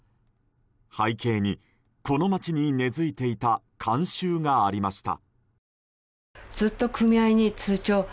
背景にこの町に根付いていた慣習がありました。